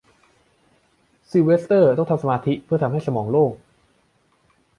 ซิลเวสเตอร์ต้องทำสมาธิเพื่อทำให้สมองโล่ง